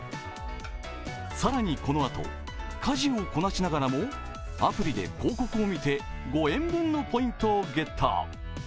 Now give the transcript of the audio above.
更にこのあと家事をこなしながらもアプリで広告を見て５円分のポイントをゲット。